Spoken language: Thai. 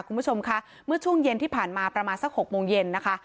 คุณผู้ชมค่ะเมื่อช่วงเย็นที่ผ่านมาประมาณสัก๖โมงเย็นนะคะ